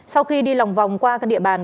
sau khi đi lòng vòng qua các địa bàn